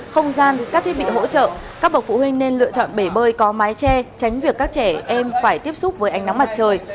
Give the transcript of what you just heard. không gian các thiết bị hỗ trợ các bậc phụ huynh nên lựa chọn bể bơi có mái che tránh việc các trẻ em phải tiếp xúc với ánh nắng mặt trời